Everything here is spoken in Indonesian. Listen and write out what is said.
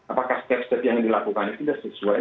apakah steps step yang dilakukan itu sudah sesuai